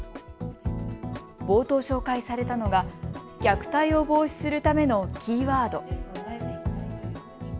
冒頭、紹介されたのが虐待を防止するためのキーワード。